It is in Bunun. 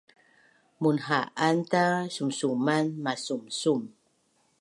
Munha’anta sumsuman masumsum